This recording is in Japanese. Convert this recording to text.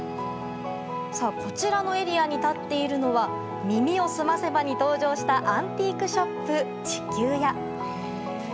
こちらのエリアに立っているのは「耳をすませば」に登場したアンティークショップ地球屋。